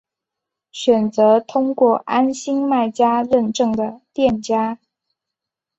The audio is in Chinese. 选择通过安心卖家认证的店家